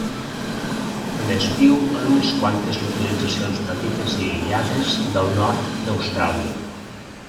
Només viu en unes quantes localitzacions petites i aïllades del nord d'Austràlia.